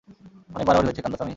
অনেক বাড়াবাড়ি হয়েছে, কান্দাসামি!